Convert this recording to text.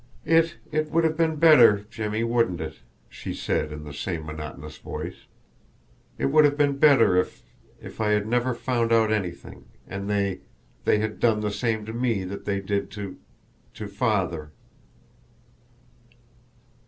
"It it would have been better, Jimmie, wouldn't it," she said in the same monotonous voice, "it would have been better if if I had never found out anything, and they they had done the same to me that they did to to father."